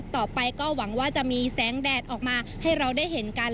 ต่อไปก็หวังว่าจะมีแสงแดดออกมาให้เราได้เห็นกัน